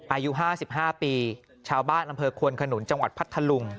อายุ๕๕ปีชาวบ้านอำเภอควนขนุนจังหวัดพัทธลุง